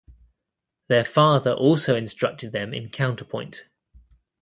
Their father also instructed them in counterpoint.